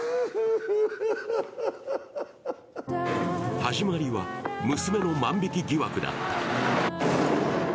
始まりは娘の万引き疑惑だった。